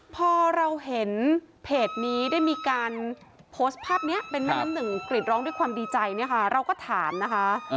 พอเราเห็นเพจนี้ได้มีการโพสต์ภาพนี้เป็นแม่น้ำหนึ่งกรีดร้องด้วยความดีใจเนี่ยค่ะเราก็ถามนะคะ